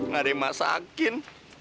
gak ada yang masakin